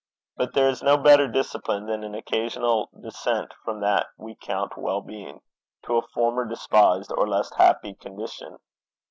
But there is no better discipline than an occasional descent from what we count well being, to a former despised or less happy condition.